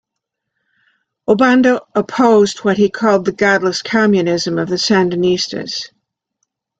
Obando opposed what he called the "godless communism" of the Sandinistas.